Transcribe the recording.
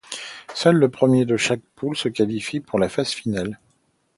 Seul le premier de chaque poule se qualifie pour la phase finale.